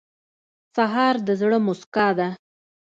سهار د زړه موسکا ده.